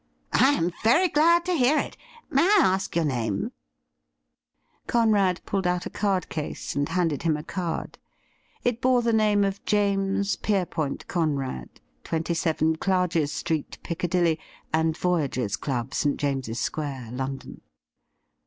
' I am very glad to hear it. May I ask your name .?' Conrad pulled out a card case and handed him a card. It bore the name of ' James Pierrepoint Conrad, 27, Clarges Street, Piccadilly, and Voyagers' Club, St. James's Square, London.'